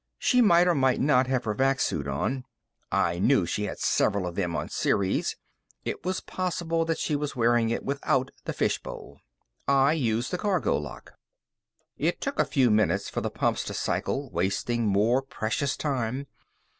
She might or might not have her vac suit on; I knew she had several of them on Ceres. It was probable that she was wearing it without the fishbowl. I used the cargo lock. It took a few minutes for the pumps to cycle, wasting more precious time.